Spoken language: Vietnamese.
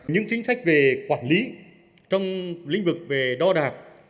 những chính sách về quản lý trong lĩnh vực về đo đạc